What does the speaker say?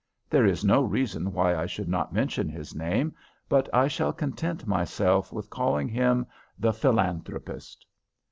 There is no reason why I should not mention his name, but I shall content myself with calling him the Philanthropist.